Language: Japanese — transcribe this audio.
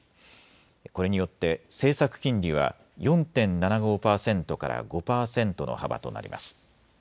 これによって政策金利は４．７５％から５％の幅となります。